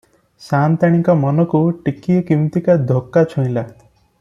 ସା’ନ୍ତାଣୀଙ୍କ ମନକୁ ଟିକିଏ କିମିତିକା ଧୋକା ଛୁଇଁଲା ।